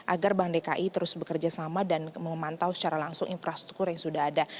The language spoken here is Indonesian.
agar bank dki terus bekerja sama dan memantau secara langsung infrastruktur yang sudah ada